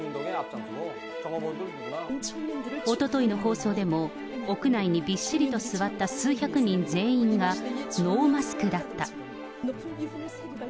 おとといの放送でも、屋内にびっしりと座った数百人全員がノーマスクだった。